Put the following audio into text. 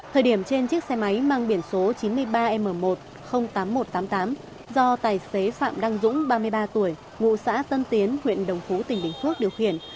thời điểm trên chiếc xe máy mang biển số chín mươi ba m một tám nghìn một trăm tám mươi tám do tài xế phạm đăng dũng ba mươi ba tuổi ngụ xã tân tiến huyện đồng phú tỉnh bình phước điều khiển